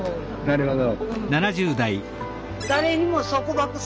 なるほど。